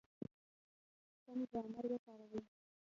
سم ګرامر وکاروئ!.